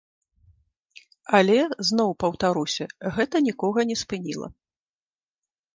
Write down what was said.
Але, зноў паўтаруся, гэта нікога не спыніла.